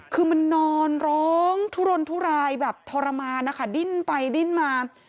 คือมันนอนร้องทุรนทุรายแบบทรมานนะคะดิ้นไปดิ้นมา